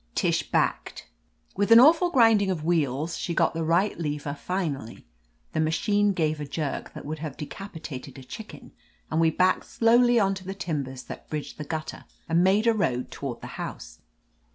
Tish backed. With an awful grinding of wheels she got the right lever finally ; the ma chine gave a jerk that would have decapitated a chicken, and we backed slowly on to the timbers that bridged the gutter and made a road toward the house.